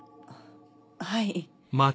はい。